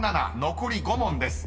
［残り５問です。